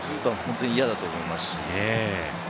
本当に嫌だと思いますし。